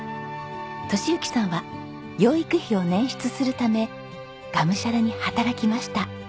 敏之さんは養育費を捻出するためがむしゃらに働きました。